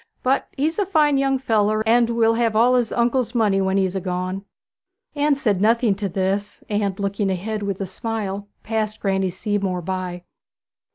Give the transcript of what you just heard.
'But he's a fine young feller, and will have all his uncle's money when 'a's gone.' Anne said nothing to this, and looking ahead with a smile passed Granny Seamore by.